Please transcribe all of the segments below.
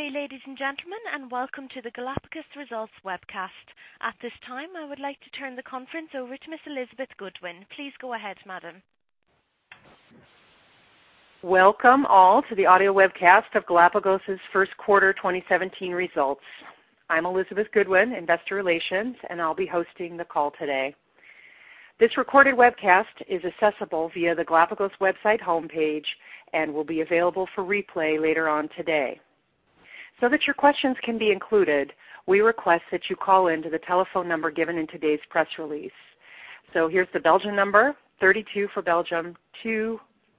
Good day, ladies and gentlemen. Welcome to the Galapagos Results Webcast. At this time, I would like to turn the conference over to Ms. Elizabeth Goodwin. Please go ahead, madam. Welcome all to the audio webcast of Galapagos' first quarter 2017 results. I'm Elizabeth Goodwin, Investor Relations, and I'll be hosting the call today. This recorded webcast is accessible via the Galapagos website homepage and will be available for replay later on today. That your questions can be included, we request that you call in to the telephone number given in today's press release. Here's the Belgium number, 32 for Belgium,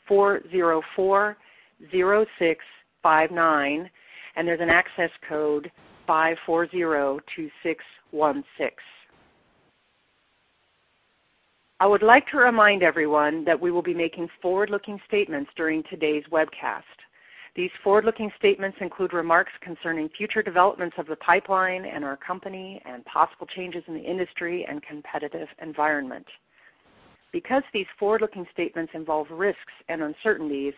2404-0659. There's an access code, 5,402,616. I would like to remind everyone that we will be making forward-looking statements during today's webcast. These forward-looking statements include remarks concerning future developments of the pipeline and our company and possible changes in the industry and competitive environment. Because these forward-looking statements involve risks and uncertainties,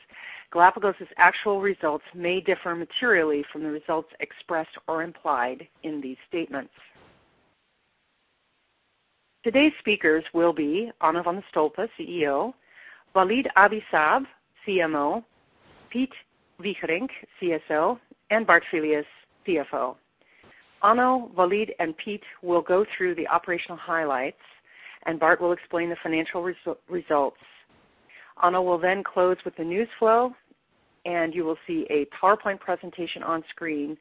Galapagos' actual results may differ materially from the results expressed or implied in these statements. Today's speakers will be Onno van de Stolpe, CEO; Walid Abi-Saab, CMO; Piet Wigerinck, CSO; and Bart Filius, CFO. Onno, Walid, and Piet will go through the operational highlights. Bart will explain the financial results. Onno will then close with the news flow. You will see a PowerPoint presentation on screen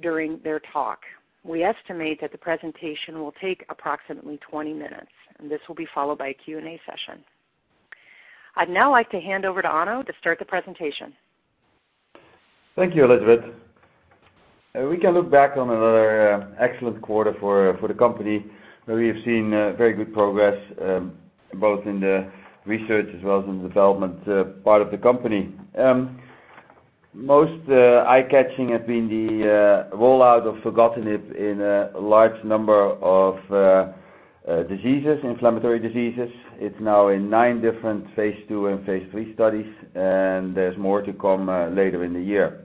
during their talk. We estimate that the presentation will take approximately 20 minutes. This will be followed by a Q&A session. I'd now like to hand over to Onno to start the presentation. Thank you, Elizabeth. We can look back on another excellent quarter for the company, where we have seen very good progress both in the research as well as in the development part of the company. Most eye-catching has been the rollout of filgotinib in a large number of inflammatory diseases. It's now in nine different phase II and phase III studies. There's more to come later in the year.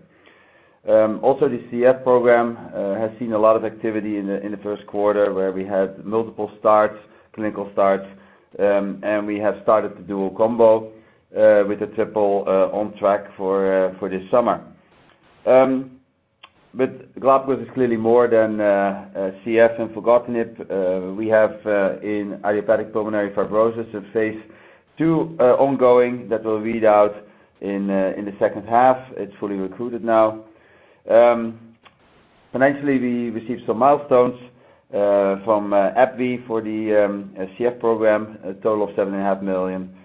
Also, the CF program has seen a lot of activity in the first quarter, where we had multiple clinical starts. We have started to do a combo with a triple on track for this summer. Galapagos is clearly more than CF and filgotinib. We have, in idiopathic pulmonary fibrosis, a phase II ongoing that will read out in the second half. It's fully recruited now. Financially, we received some milestones from AbbVie for the CF program, a total of 7.5 million.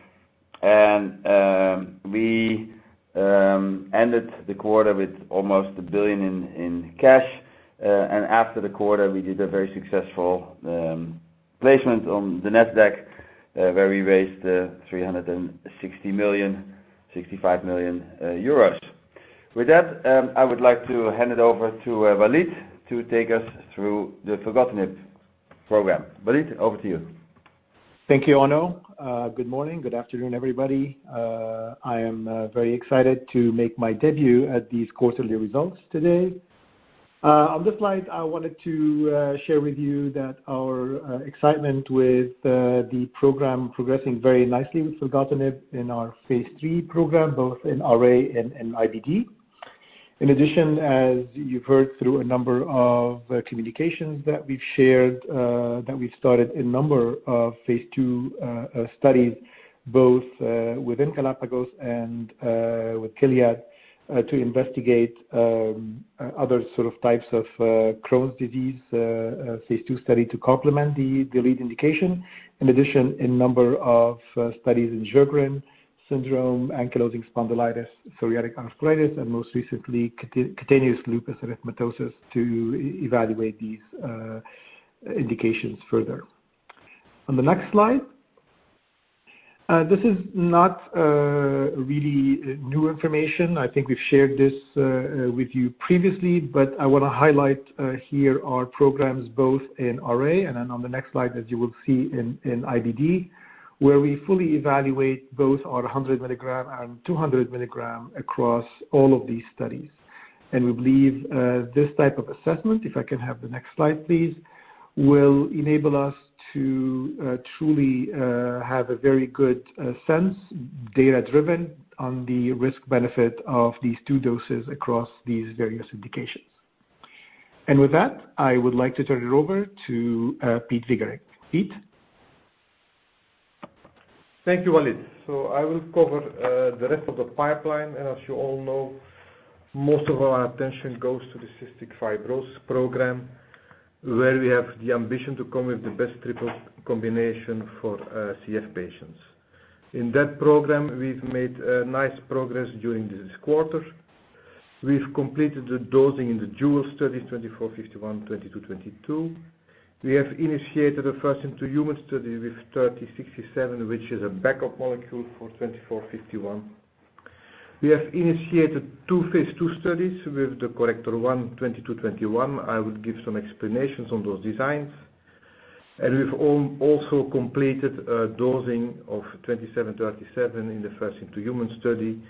We ended the quarter with almost 1 billion in cash. After the quarter, we did a very successful placement on the Nasdaq, where we raised 360 million, 365 million euros. With that, I would like to hand it over to Walid to take us through the filgotinib program. Walid, over to you. Thank you, Onno. Good morning. Good afternoon, everybody. I am very excited to make my debut at these quarterly results today. On this slide, I wanted to share with you that our excitement with the program progressing very nicely with filgotinib in our phase III program, both in RA and IBD. In addition, as you've heard through a number of communications that we've shared, that we've started a number of phase II studies, both within Galapagos and with Gilead, to investigate other sort of types of Crohn's disease phase II study to complement the lead indication. In addition, a number of studies in Sjögren's syndrome, ankylosing spondylitis, psoriatic arthritis, and most recently, cutaneous lupus erythematosus to evaluate these indications further. On the next slide. This is not really new information. I think we've shared this with you previously, I want to highlight here our programs both in RA and then on the next slide, as you will see in IBD, where we fully evaluate both our 100 milligram and 200 milligram across all of these studies. We believe this type of assessment, if I can have the next slide, please, will enable us to truly have a very good sense, data-driven, on the risk-benefit of these two doses across these various indications. With that, I would like to turn it over to Piet Wigerinck. Piet. Thank you, Walid. I will cover the rest of the pipeline. As you all know, most of our attention goes to the cystic fibrosis program, where we have the ambition to come with the best triple combination for CF patients. In that program, we've made nice progress during this quarter. We've completed the dosing in the Jewel study, 2451/2222. We have initiated the first-in-human study with 3067, which is a backup molecule for 2451. We have initiated two phase II studies with the Corrector-1, 2221. I would give some explanations on those designs. We've also completed a dosing of 27, 37 in the first-in-human study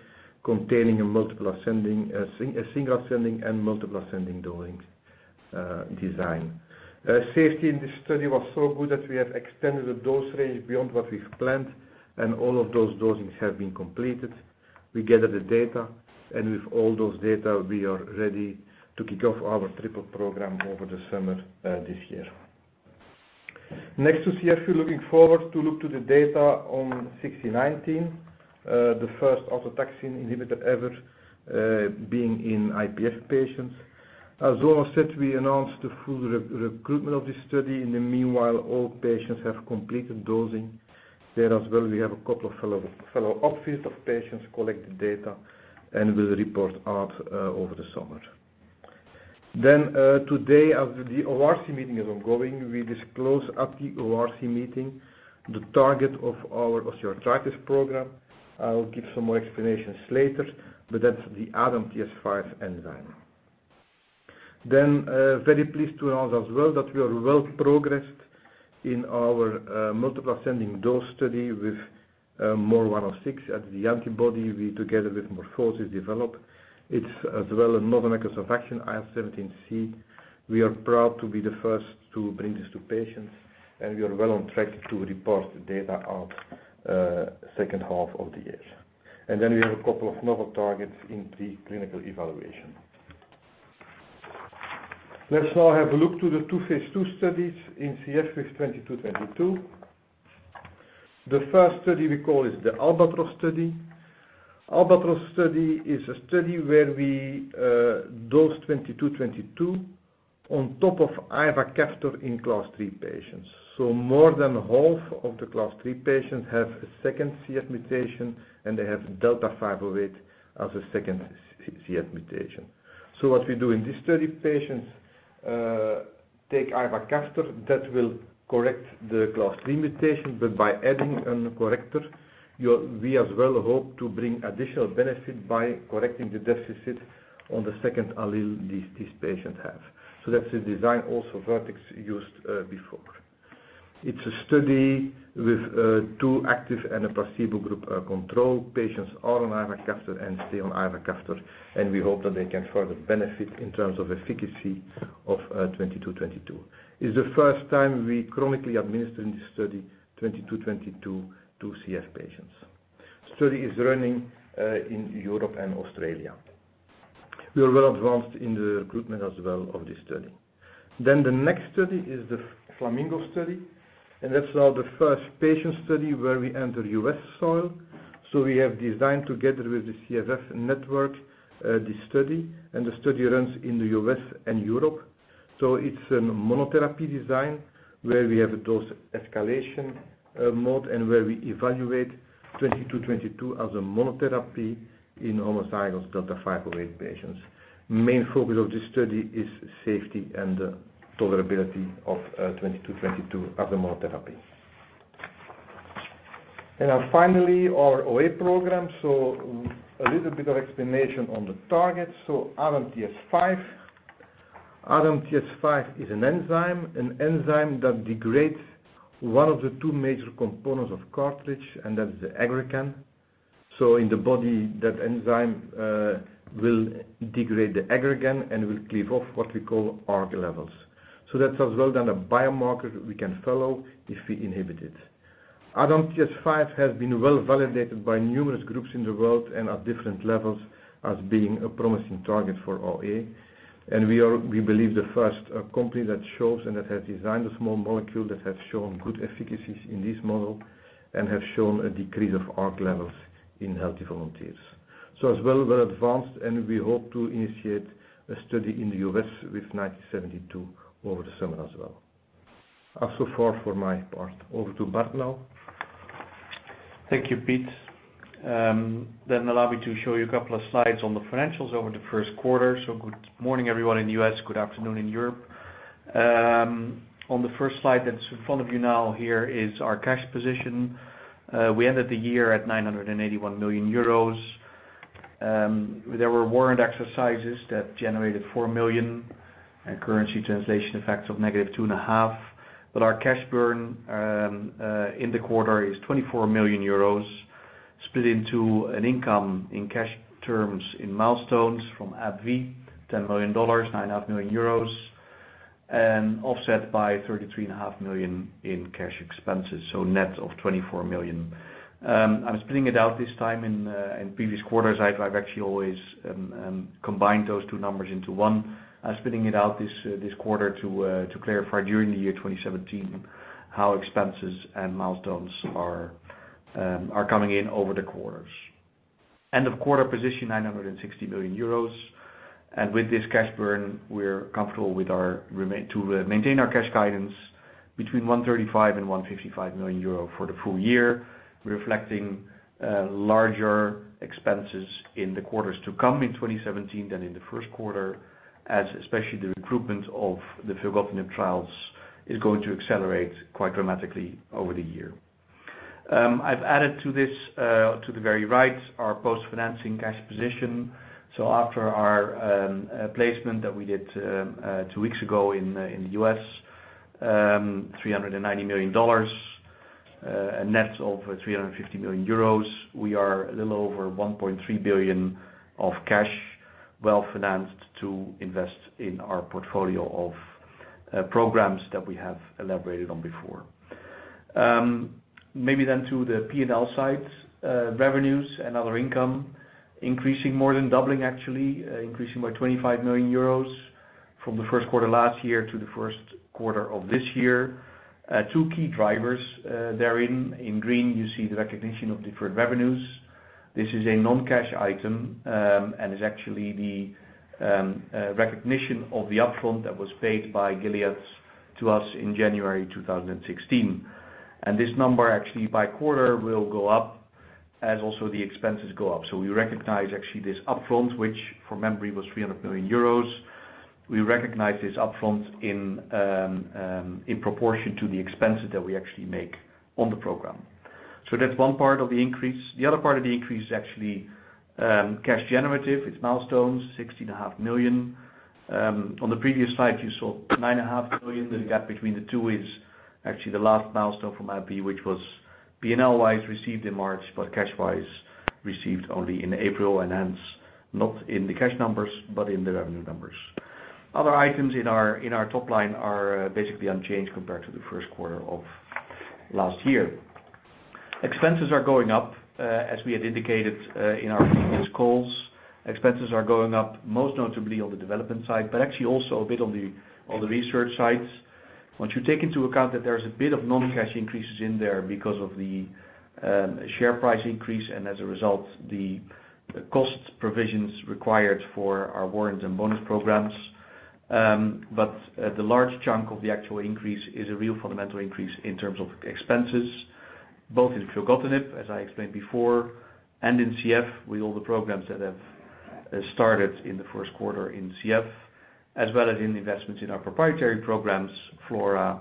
containing a single-ascending and multiple-ascending dosing design. Safety in this study was so good that we have extended the dose range beyond what we've planned, and all of those dosings have been completed. We gather the data and with all those data, we are ready to kick off our triple program over the summer this year. Next to CF, we're looking forward to look to the data on GLPG1690. The first autotaxin inhibitor ever being in IPF patients. As well as said, we announced the full recruitment of this study. In the meanwhile, all patients have completed dosing. There as well, we have a couple of follow-up periods of patients collecting the data and we'll report out over the summer. Today, as the OARSI meeting is ongoing, we disclose at the OARSI meeting the target of our osteoarthritis program. I will give some more explanations later, but that's the ADAMTS5 enzyme. Very pleased to announce as well that we are well progressed in our multiple ascending dose study with MOR106 as the antibody we together with MorphoSys develop. It's as well a novel mechanism of action, IL-17C. We are proud to be the first to bring this to patients, and we are well on track to report the data out second half of the year. We have a couple of novel targets in preclinical evaluation. Let's now have a look to the two phase II studies in CF with GLPG2222. The first study we call is the ALBATROSS study. ALBATROSS study is a study where we dose GLPG2222 on top of ivacaftor in Class III patients. More than half of the Class III patients have a second CF mutation, and they have deltaF508 as a second CF mutation. What we do in this study, patients take ivacaftor that will correct the Class III mutation. By adding a corrector, we as well hope to bring additional benefit by correcting the deficit on the second allele these patients have. That's a design also Vertex used before. It's a study with two active and a placebo group control patients on ivacaftor and stay on ivacaftor, and we hope that they can further benefit in terms of efficacy of GLPG2222. It is the first time we chronically administer in this study GLPG2222 to CF patients. The study is running in Europe and Australia. We are well advanced in the recruitment as well of this study. The next study is the FLAMINGO study, and that's now the first patient study where we enter U.S. soil. We have designed together with the CFF network this study, and the study runs in the U.S. and Europe. It's a monotherapy design where we have a dose escalation mode and where we evaluate GLPG2222 as a monotherapy in homozygous deltaF508 patients. Main focus of this study is safety and tolerability of GLPG2222 as a monotherapy. Finally, our OA program. A little bit of explanation on the target. ADAMTS5 is an enzyme that degrades one of the two major components of cartilage, and that is the aggrecan. In the body, that enzyme will degrade the aggrecan and will cleave off what we call ARGS-neoepitope. That's as well then a biomarker we can follow if we inhibit it. ADAMTS5 has been well-validated by numerous groups in the world and at different levels as being a promising target for OA. We believe the first company that shows and that has designed a small molecule that has shown good efficacy in this model and has shown a decrease of ARG levels in healthy volunteers. As well, we're advanced, and we hope to initiate a study in the U.S. with 9072 over the summer as well. That's so far for my part. Over to Bart now. Thank you, Piet. Allow me to show you a couple of slides on the financials over the first quarter. Good morning everyone in the U.S., good afternoon in Europe. On the first slide that's in front of you now here is our cash position. We ended the year at 981 million euros. There were warrant exercises that generated 4 million and currency translation effects of negative 2.5 million. But our cash burn in the quarter is 24 million euros, split into an income in cash terms in milestones from AbbVie, $10 million, 9.5 million euros, and offset by 33.5 million in cash expenses. Net of 24 million. I'm splitting it out this time. In previous quarters, I've actually always combined those 2 numbers into one. I'm splitting it out this quarter to clarify during the year 2017 how expenses and milestones are coming in over the quarters. End of quarter position, 960 million euros. With this cash burn, we're comfortable to maintain our cash guidance between 135 million and 155 million euro for the full year, reflecting larger expenses in the quarters to come in 2017 than in the first quarter, as especially the recruitment of the filgotinib trials is going to accelerate quite dramatically over the year. I've added to this, to the very right, our post-financing cash position. After our placement that we did 2 weeks ago in the U.S., $390 million, a net of 350 million euros. We are a little over 1.3 billion of cash, well-financed to invest in our portfolio of programs that we have elaborated on before. Maybe then to the P&L side. Revenues and other income increasing, more than doubling, actually. Increasing by 25 million euros from the first quarter last year to the first quarter of this year. 2 key drivers therein. In green, you see the recognition of deferred revenues. This is a non-cash item, and is actually the recognition of the upfront that was paid by Gilead to us in January 2016. This number actually by quarter will go up, as also the expenses go up. We recognize actually this upfront, which from memory was 300 million euros. We recognize this upfront in proportion to the expenses that we actually make on the program. That's one part of the increase. The other part of the increase is actually cash generative. It's milestones, 16.5 million. On the previous slide, you saw 9.5 million. The gap between the 2 is actually the last milestone from IP, which was P&L-wise received in March, but cash-wise received only in April, hence, not in the cash numbers, but in the revenue numbers. Other items in our top line are basically unchanged compared to the first quarter of last year. Expenses are going up, as we had indicated in our previous calls. Expenses are going up, most notably on the development side, but actually also a bit on the research sides. Once you take into account that there's a bit of non-cash increases in there because of the share price increase, and as a result, the cost provisions required for our warrants and bonus programs. The large chunk of the actual increase is a real fundamental increase in terms of expenses, both in filgotinib, as I explained before, and in CF, with all the programs that have started in the first quarter in CF, as well as in investments in our proprietary programs, FLORA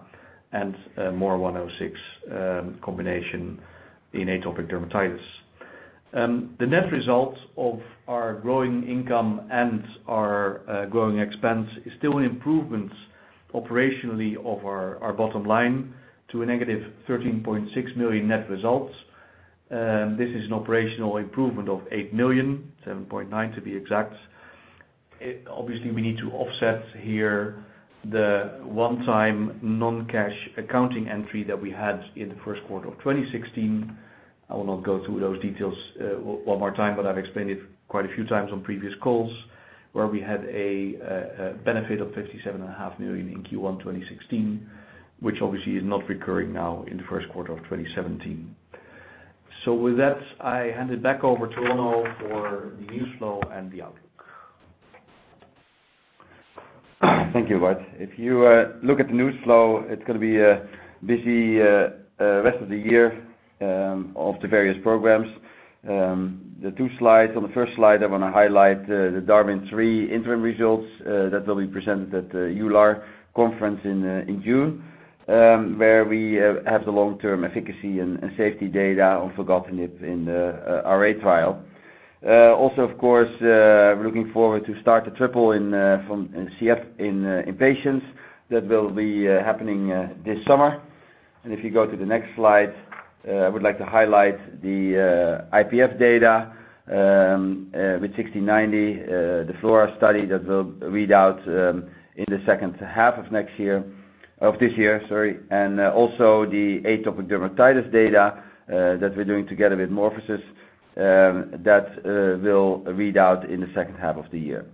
and MOR106 combination in atopic dermatitis. The net result of our growing income and our growing expense is still an improvement operationally of our bottom line to a negative 13.6 million net results. This is an operational improvement of 8 million, 7.9 million to be exact. Obviously, we need to offset here the one-time non-cash accounting entry that we had in the first quarter of 2016. I will not go through those details one more time, but I've explained it quite a few times on previous calls, where we had a benefit of 57.5 million in Q1 2016, which obviously is not recurring now in the first quarter of 2017. With that, I hand it back over to Onno for the news flow and the outlook. Thank you, Bart. If you look at the news flow, it's going to be a busy rest of the year of the various programs. The two slides. On the first slide, I want to highlight the DARWIN 3 interim results that will be presented at the EULAR conference in June, where we have the long-term efficacy and safety data on filgotinib in the RA trial. Also, of course, we're looking forward to start the triple in CF in patients. That will be happening this summer. If you go to the next slide, I would like to highlight the IPF data with GLPG1690, the FLORA study that will read out in the second half of this year. Also the atopic dermatitis data that we're doing together with MorphoSys, that will read out in the second half of the year.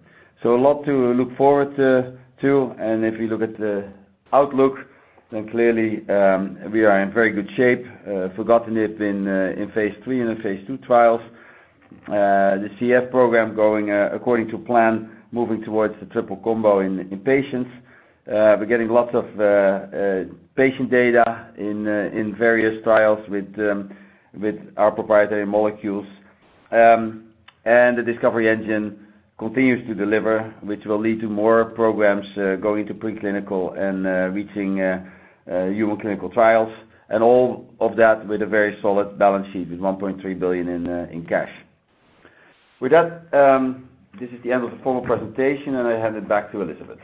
A lot to look forward to. If you look at the outlook, clearly we are in very good shape. Filgotinib in phase III and in phase II trials. The CF program going according to plan, moving towards the triple combo in patients. We're getting lots of patient data in various trials with our proprietary molecules. The discovery engine continues to deliver, which will lead to more programs going to pre-clinical and reaching human clinical trials. All of that with a very solid balance sheet, with 1.3 billion in cash. With that, this is the end of the formal presentation, and I hand it back to Elizabeth.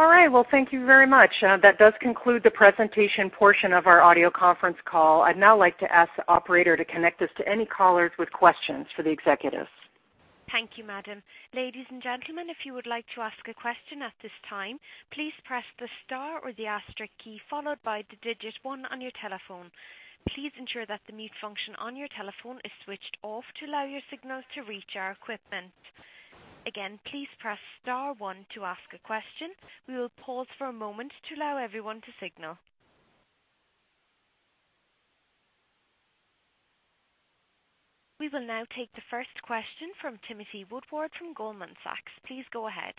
All right. Well, thank you very much. That does conclude the presentation portion of our audio conference call. I'd now like to ask the operator to connect us to any callers with questions for the executives. Thank you, madam. Ladies and gentlemen, if you would like to ask a question at this time, please press the star or the asterisk key, followed by the digit one on your telephone. Please ensure that the mute function on your telephone is switched off to allow your signals to reach our equipment. Again, please press star one to ask a question. We will pause for a moment to allow everyone to signal. We will now take the first question from Timothy Woodward from Goldman Sachs. Please go ahead.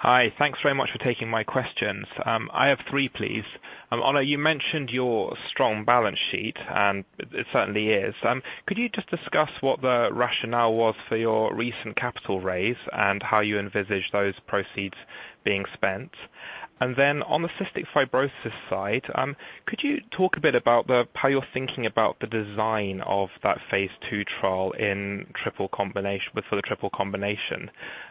Hi. Thanks very much for taking my questions. I have three, please. Onno, you mentioned your strong balance sheet, and it certainly is. Could you just discuss what the rationale was for your recent capital raise, and how you envisage those proceeds being spent? On the cystic fibrosis side, could you talk a bit about how you're thinking about the design of that phase II trial for the triple combination?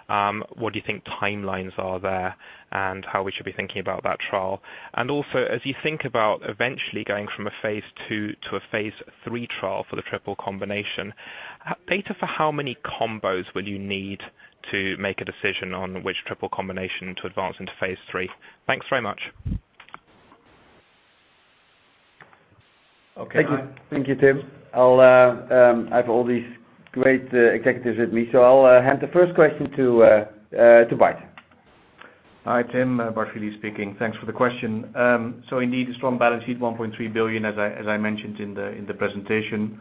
What do you think timelines are there, and how we should be thinking about that trial? As you think about eventually going from a phase II to a phase III trial for the triple combination, data for how many combos will you need to make a decision on which triple combination to advance into phase III? Thanks very much. Okay. Thank you, Tim. I have all these great executives with me, so I'll hand the first question to Bart. Hi, Tim. Bart Filius speaking. Thanks for the question. Indeed, a strong balance sheet, 1.3 billion, as I mentioned in the presentation.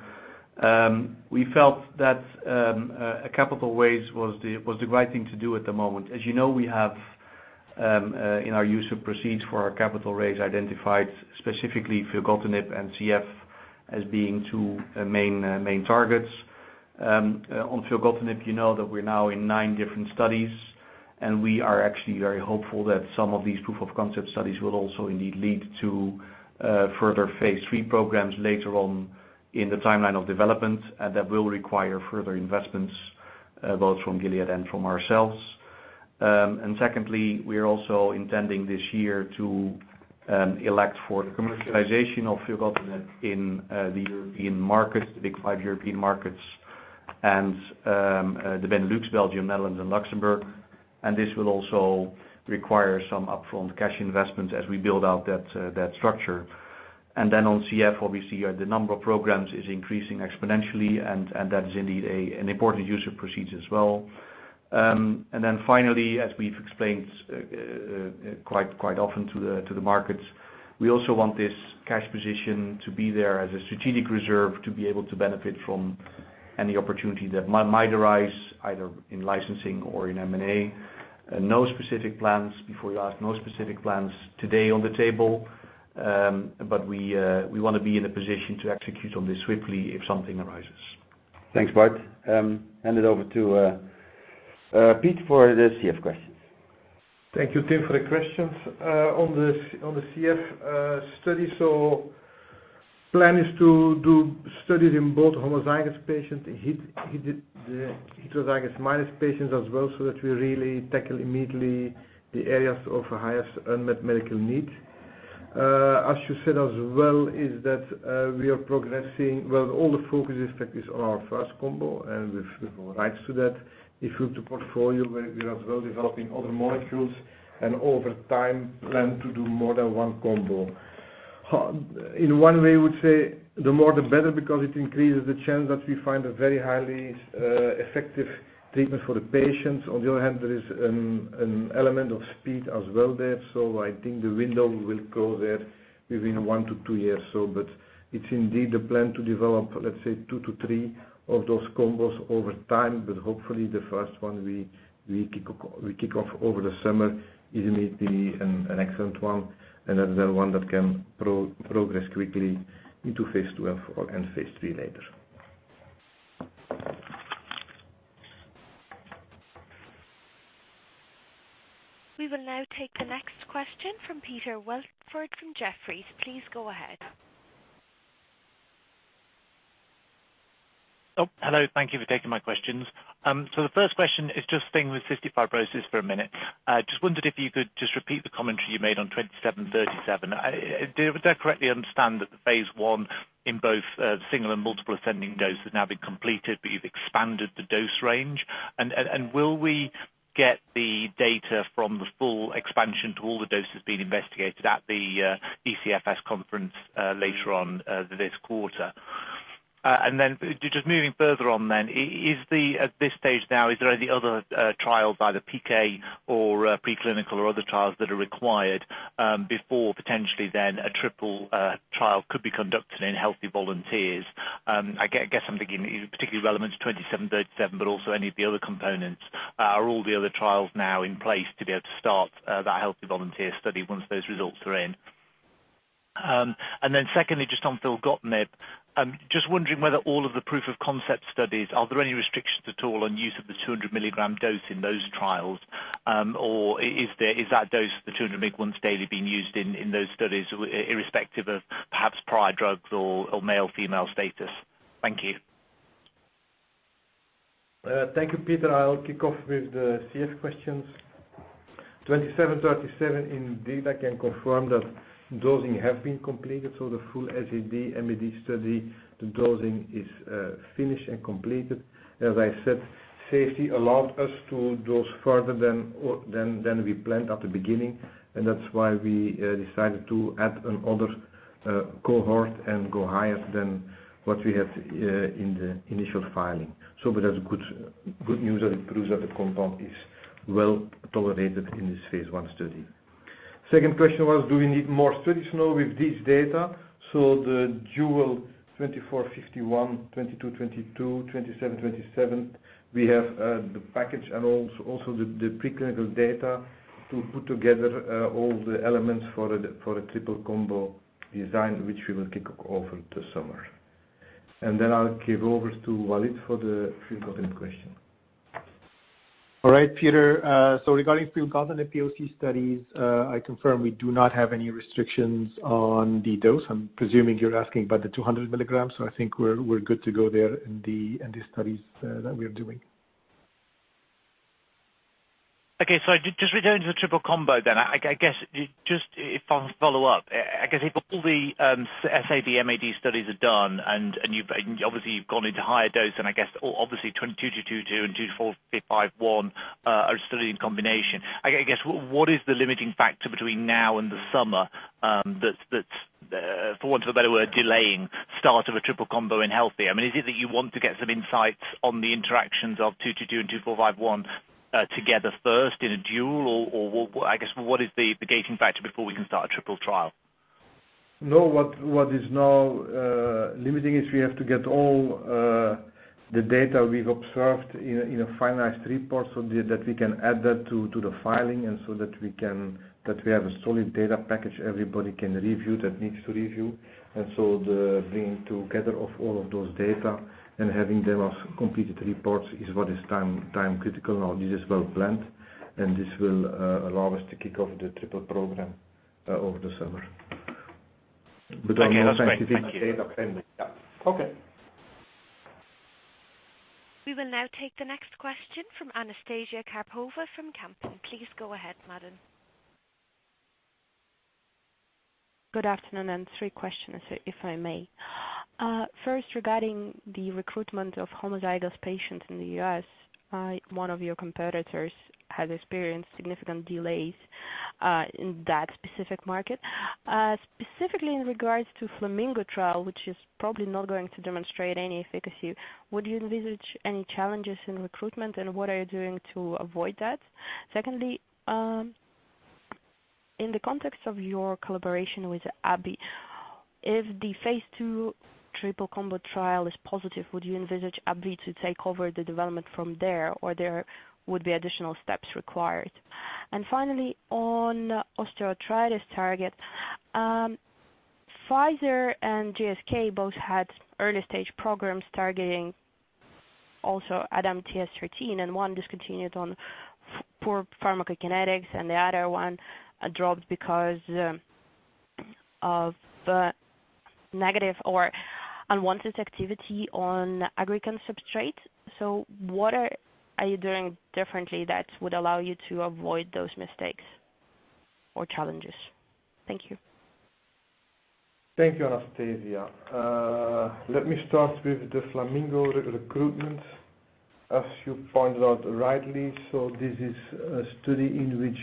We felt that a capital raise was the right thing to do at the moment. As you know, we have, in our use of proceeds for our capital raise, identified specifically filgotinib and CF as being two main targets. On filgotinib, you know that we're now in nine different studies, and we are actually very hopeful that some of these proof of concept studies will also indeed lead to further phase III programs later on in the timeline of development that will require further investments, both from Gilead and from ourselves. Secondly, we are also intending this year to elect for the commercialization of filgotinib in the European market, the big five European markets and the Benelux, Belgium, Netherlands, and Luxembourg. This will also require some upfront cash investments as we build out that structure. On CF, obviously, the number of programs is increasing exponentially, and that is indeed an important use of proceeds as well. Finally, as we've explained quite often to the markets, we also want this cash position to be there as a strategic reserve to be able to benefit from any opportunity that might arise, either in licensing or in M&A. No specific plans, before you ask. No specific plans today on the table. We want to be in a position to execute on this swiftly if something arises. Thanks, Bart. Hand it over to Piet for the CF questions. Thank you, Tim, for the questions. On the CF study, plan is to do studies in both homozygous patients, heterozygous minus patients as well, so that we really tackle immediately the areas of highest unmet medical need. As you said as well, we are progressing. Well, all the focus is on our first combo, and with full rights to that. If you look to portfolio, we are as well developing other molecules and over time plan to do more than one combo. In one way, I would say the more the better, because it increases the chance that we find a very highly effective treatment for the patients. On the other hand, there is an element of speed as well there. I think the window will go there within 1 to 2 years. It's indeed the plan to develop, let's say, 2 to 3 of those combos over time. Hopefully the first one we kick-off over the summer is immediately an excellent one, and one that can progress quickly into phase II and phase III later. We will now take the next question from Peter Welford from Jefferies. Please go ahead. Hello. Thank you for taking my questions. The first question is just staying with cystic fibrosis for a minute. Just wondered if you could just repeat the commentary you made on GLPG2737. Did I correctly understand that the phase I in both single and multiple ascending dose has now been completed, but you've expanded the dose range? Will we get the data from the full expansion to all the doses being investigated at the ECFS conference later on this quarter? Just moving further on, at this stage now, is there any other trial by the PK or preclinical or other trials that are required before potentially a triple trial could be conducted in healthy volunteers? I guess I'm thinking particularly relevant to GLPG2737, but also any of the other components. Are all the other trials now in place to be able to start that healthy volunteer study once those results are in? Secondly, just on filgotinib, just wondering whether all of the proof of concept studies, are there any restrictions at all on use of the 200 milligram dose in those trials? Or is that dose, the 200 mg once daily, being used in those studies, irrespective of perhaps prior drugs or male/female status? Thank you. Thank you, Peter. I'll kick off with the CF questions. GLPG2737, indeed, I can confirm that dosing have been completed. So the full SAD, MAD study, the dosing is finished and completed. As I said, safety allowed us to dose further than we planned at the beginning, and that's why we decided to add another cohort and go higher than what we have in the initial filing. That's good news that it proves that the compound is well-tolerated in this phase I study. Second question was, do we need more studies now with this data? The dual GLPG2451, GLPG2222, 2727, we have the package and also the preclinical data to put together all the elements for a triple combo design, which we will kick off in the summer. I'll give over to Walid for the filgotinib question. All right, Peter. Regarding filgotinib POC studies, I confirm we do not have any restrictions on the dose. I'm presuming you're asking about the 200 milligrams. I think we're good to go there in the studies that we're doing. Okay. Just returning to the triple combo then, I guess, just if I follow up. I guess if all the SAD, MAD studies are done and obviously you've gone into higher dose and I guess obviously GLPG2222 and GLPG2451 are still in combination. I guess, what is the limiting factor between now and the summer that's, for want of a better word, delaying start of a triple combo in healthy? I mean, is it that you want to get some insights on the interactions of 222 and GLPG2451 together first in a dual, I guess, what is the gating factor before we can start a triple trial? What is now limiting is we have to get all the data we've observed in a finalized report so that we can add that to the filing and so that we have a solid data package everybody can review, that needs to review. The bringing together of all of those data and having them as completed reports is what is time-critical. This is well planned, and this will allow us to kick off the triple program over the summer. Okay, that's great. Thank you. Yeah. Okay. We will now take the next question from Anastasia Karpova from Kempen. Please go ahead, madam. Good afternoon. Three questions, if I may. First, regarding the recruitment of homozygous patients in the U.S., one of your competitors has experienced significant delays in that specific market. Specifically in regards to FLAMINGO, which is probably not going to demonstrate any efficacy. Would you envisage any challenges in recruitment, and what are you doing to avoid that? Secondly, in the context of your collaboration with AbbVie, if the phase II triple combo trial is positive, would you envisage AbbVie to take over the development from there, or there would be additional steps required? Finally, on osteoarthritis target. Pfizer and GSK both had early-stage programs targeting also ADAMTS5, and one discontinued on poor pharmacokinetics and the other one dropped because of negative or unwanted activity on aggrecan substrate. What are you doing differently that would allow you to avoid those mistakes or challenges? Thank you. Thank you, Anastasiya. Let me start with the FLAMINGO recruitment. As you pointed out rightly, this is a study in which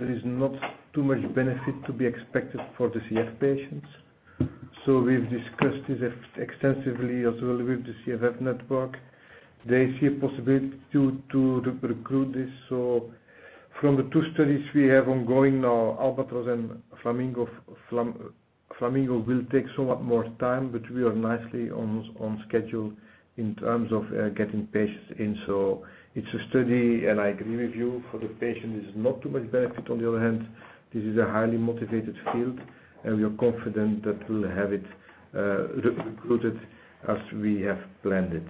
there is not too much benefit to be expected for the CF patients. We've discussed this extensively as well with the CFF network. They see a possibility to recruit this. From the two studies we have ongoing now, ALBATROS and FLAMINGO will take somewhat more time, but we are nicely on schedule in terms of getting patients in. It's a study, and I agree with you, for the patient is not too much benefit. On the other hand, this is a highly motivated field, and we are confident that we'll have it recruited as we have planned it.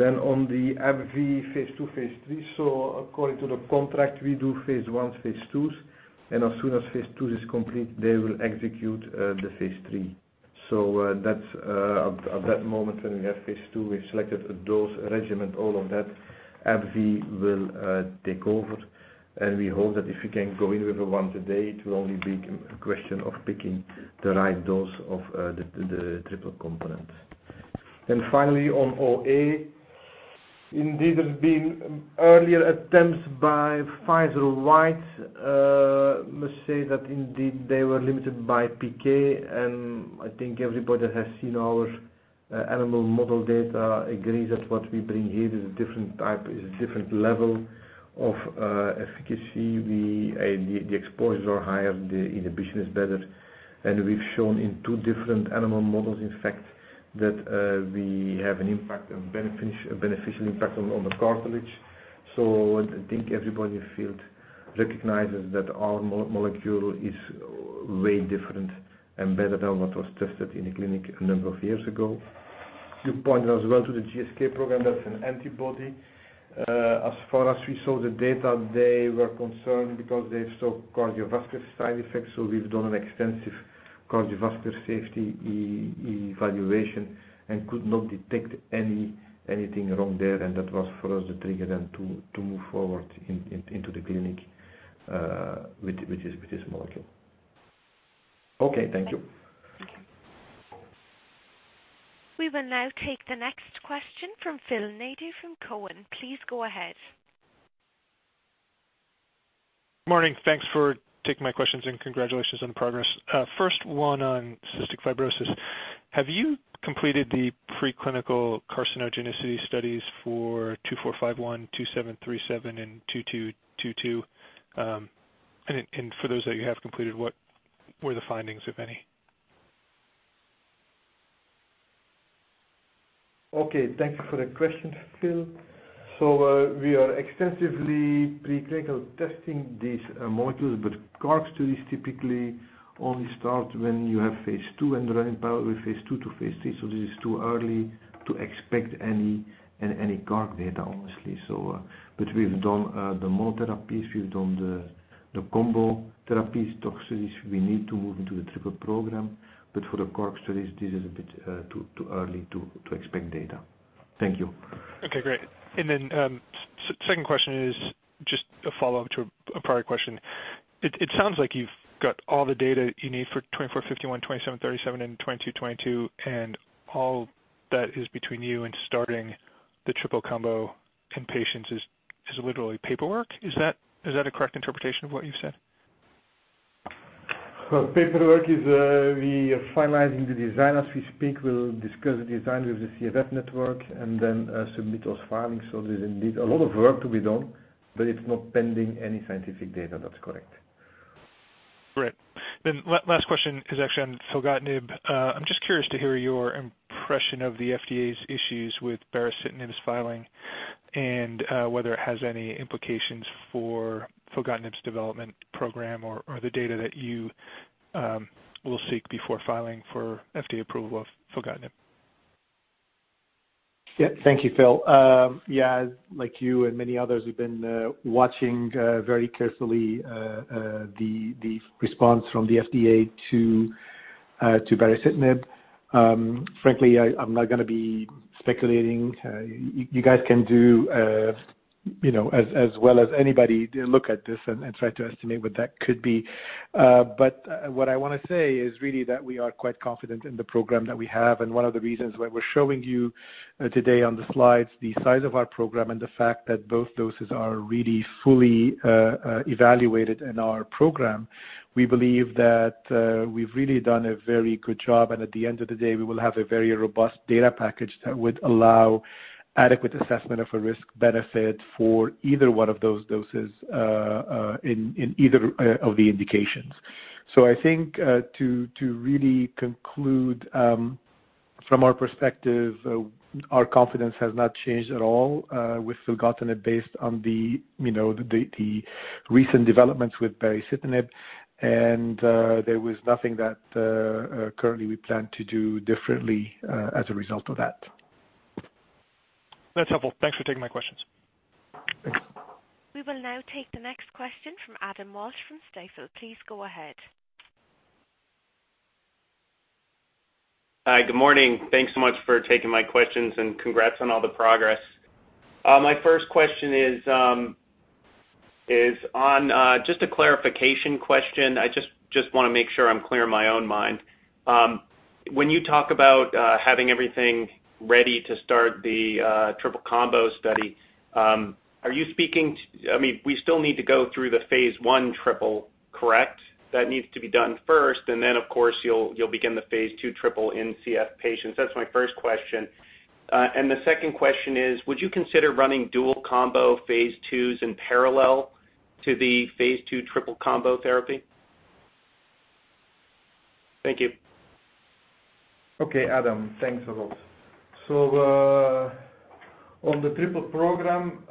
On the AbbVie phase II, phase III. According to the contract, we do phase Is, phase IIs, and as soon as phase II is complete, they will execute the phase III. At that moment when we have phase II, we've selected a dose, regimen, all of that, AbbVie will take over, and we hope that if we can go in with a one today, it will only be a question of picking the right dose of the triple component. Finally on OA. Indeed, there's been earlier attempts by Pfizer-Wyeth. Must say that indeed they were limited by PK, and I think everybody that has seen our animal model data agrees that what we bring here is a different type, is a different level of efficacy. The exposures are higher, the inhibition is better. We've shown in two different animal models, in fact, that we have a beneficial impact on the cartilage. I think everybody in the field recognizes that our molecule is way different and better than what was tested in the clinic a number of years ago. You pointed as well to the GSK program. That's an antibody. As far as we saw the data, they were concerned because they saw cardiovascular side effects. We've done an extensive cardiovascular safety evaluation and could not detect anything wrong there, and that was for us the trigger then to move forward into the clinic with this molecule. Okay. Thank you. Thank you. We will now take the next question from Phil Nadeau from Cowen. Please go ahead. Morning. Thanks for taking my questions and congratulations on the progress. First one on cystic fibrosis. Have you completed the preclinical carcinogenicity studies for GLPG2451, GLPG2737, and GLPG2222? For those that you have completed, what were the findings, if any? Okay. Thank you for that question, Phil. We are extensively pre-clinical testing these molecules, but CARC studies typically only start when you have phase II and running parallel with phase II to phase III. This is too early to expect any CARC data, honestly. We've done the mono therapies, we've done the combo therapies, tox studies. We need to move into the triple program. For the CARC studies, this is a bit too early to expect data. Thank you. Okay, great. Second question is just a follow-up to a prior question. It sounds like you've got all the data you need for GLPG2451, GLPG2737, and GLPG2222, and all that is between you and starting the triple combo in patients is literally paperwork. Is that a correct interpretation of what you've said? Paperwork is, we are finalizing the design as we speak. We'll discuss the design with the CFF network and then submit those filings. There's indeed a lot of work to be done, but it's not pending any scientific data. That's correct. Great. Last question is actually on filgotinib. I'm just curious to hear your impression of the FDA's issues with baricitinib's filing and whether it has any implications for filgotinib's development program or the data that you will seek before filing for FDA approval of filgotinib. Thank you, Phil. Like you and many others, we've been watching very carefully the response from the FDA to baricitinib. Frankly, I'm not going to be speculating. You guys can do as well as anybody to look at this and try to estimate what that could be. What I want to say is really that we are quite confident in the program that we have. One of the reasons why we're showing you today on the slides the size of our program and the fact that both doses are really fully evaluated in our program. We believe that we've really done a very good job, and at the end of the day, we will have a very robust data package that would allow adequate assessment of a risk-benefit for either one of those doses in either of the indications. I think to really conclude, from our perspective, our confidence has not changed at all with filgotinib based on the recent developments with baricitinib. There was nothing that currently we plan to do differently as a result of that. That's helpful. Thanks for taking my questions. Thanks. We will now take the next question from Adam Walsh from Stifel. Please go ahead. Hi. Good morning. Thanks so much for taking my questions, and congrats on all the progress. My first question is on just a clarification question. I just want to make sure I'm clear in my own mind. When you talk about having everything ready to start the triple combo study, I mean, we still need to go through the phase I triple, correct? That needs to be done first, then, of course, you'll begin the phase II triple in CF patients. That's my first question. The second question is, would you consider running dual combo phase IIs in parallel to the phase II triple combo therapy? Thank you. Adam, thanks a lot. On the triple program,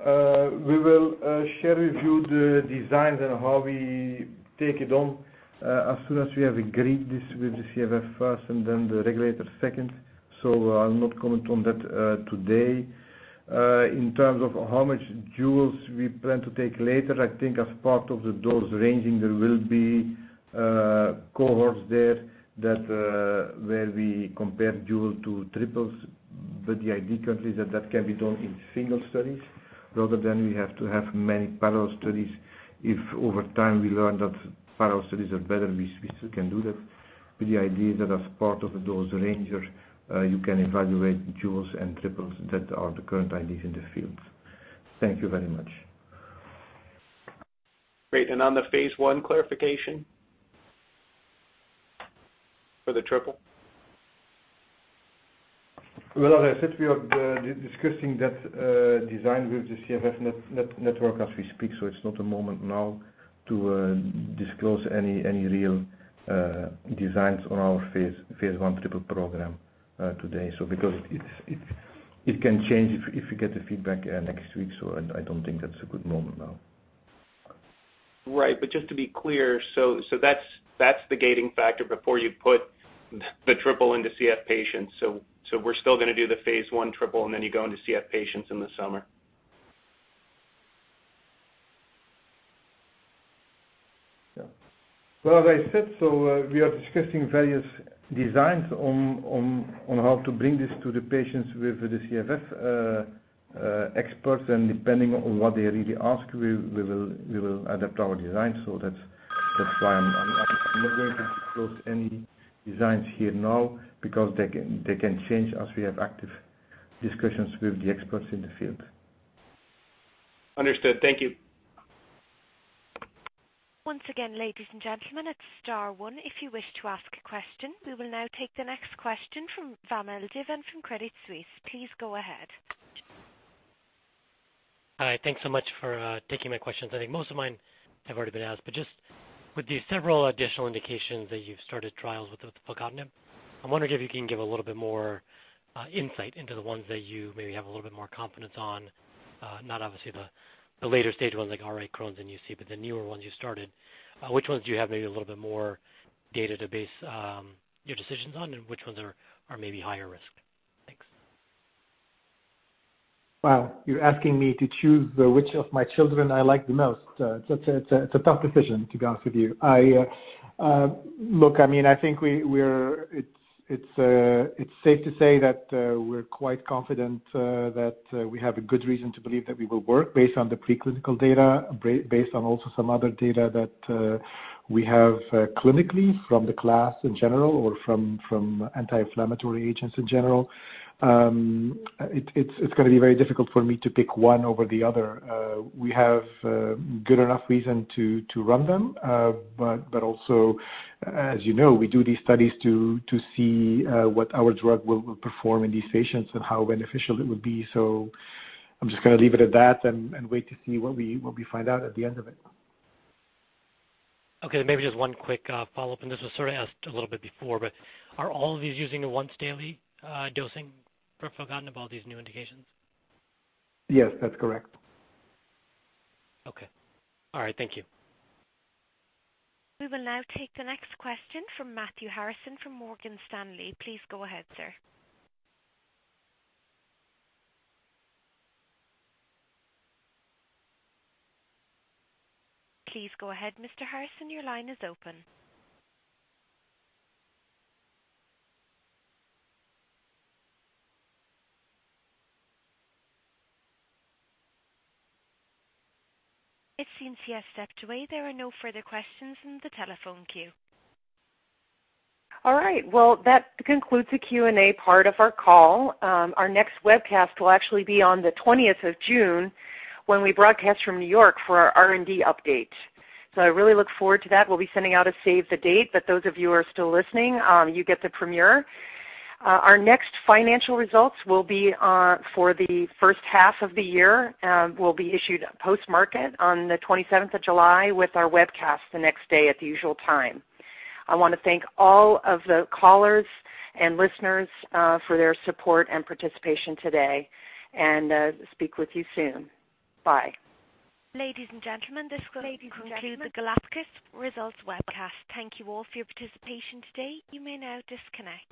we will share with you the designs and how we take it on as soon as we have agreed this with the CFF first and then the regulator second. I'll not comment on that today. In terms of how much duals we plan to take later, I think as part of the dose ranging, there will be cohorts there where we compare dual to triples. The idea currently is that that can be done in single studies rather than we have to have many parallel studies. If over time we learn that parallel studies are better, we still can do that. The idea is that as part of the dose ranger, you can evaluate duals and triples. That are the current ideas in the field. Thank you very much. Great. On the phase I clarification for the triple? Well, as I said, we are discussing that design with the CFF network as we speak, so it's not a moment now to disclose any real designs on our phase I triple program today. Because it can change if we get the feedback next week. I don't think that's a good moment now. Right. Just to be clear, so that's the gating factor before you put the triple into CF patients. We're still going to do the phase I triple, and then you go into CF patients in the summer. Well, as I said, we are discussing various designs on how to bring this to the patients with the CFF experts. Depending on what they really ask, we will adapt our design. That's why I'm not going to disclose any designs here now, because they can change as we have active discussions with the experts in the field. Understood. Thank you. Once again, ladies and gentlemen, it's star one if you wish to ask a question. We will now take the next question from Vamil Divan from Credit Suisse. Please go ahead. Hi. Thanks so much for taking my questions. I think most of mine have already been asked, just with the several additional indications that you've started trials with filgotinib, I'm wondering if you can give a little bit more insight into the ones that you maybe have a little bit more confidence on. Not obviously the later stage ones like RA, Crohn's, and UC, but the newer ones you started. Which ones do you have maybe a little bit more data to base your decisions on, and which ones are maybe higher risk? Thanks. Wow. You're asking me to choose which of my children I like the most. It's a tough decision, to be honest with you. Look, I think it's safe to say that we're quite confident that we have a good reason to believe that it will work based on the preclinical data, based on also some other data that we have clinically from the class in general or from anti-inflammatory agents in general. It's going to be very difficult for me to pick one over the other. We have good enough reason to run them. As you know, we do these studies to see what our drug will perform in these patients and how beneficial it would be. I'm just going to leave it at that and wait to see what we find out at the end of it. Okay. Maybe just one quick follow-up. This was sort of asked a little bit before. Are all of these using the once-daily dosing for filgotinib, all these new indications? Yes, that's correct. Okay. All right. Thank you. We will now take the next question from Matthew Harrison from Morgan Stanley. Please go ahead, sir. Please go ahead, Mr. Harrison. Your line is open. It seems he has stepped away. There are no further questions in the telephone queue. All right. Well, that concludes the Q&A part of our call. Our next webcast will actually be on the 20th of June when we broadcast from New York for our R&D update. I really look forward to that. We'll be sending out a save-the-date, those of you who are still listening, you get the premiere. Our next financial results will be for the first half of the year, will be issued post-market on the 27th of July with our webcast the next day at the usual time. I want to thank all of the callers and listeners for their support and participation today and speak with you soon. Bye. Ladies and gentlemen, this will conclude the Galapagos Results Webcast. Thank you all for your participation today. You may now disconnect.